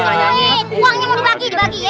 uangnya mau dibagi dibagi ya